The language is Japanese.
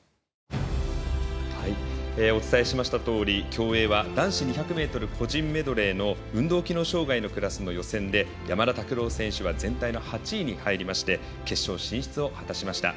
お伝えしましたとおり競泳は男子２００ｍ個人メドレーの運動機能障がいのクラスの予選で山田拓朗選手は全体の８位に入りまして決勝進出を果たしました。